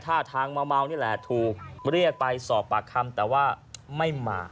ท่าทางเมานี่แหละถูกเรียกไปสอบปากคำแต่ว่าไม่มา